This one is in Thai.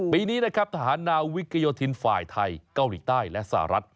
ปีนี้นะครับทหารนาวิกโยธินฝ่ายไทยเกาหลีใต้และสหรัฐ